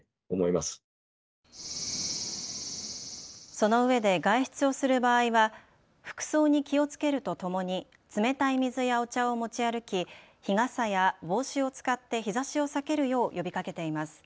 そのうえで外出をする場合は服装に気をつけるとともに冷たい水やお茶を持ち歩き日傘や帽子を使って日ざしを避けるよう呼びかけています。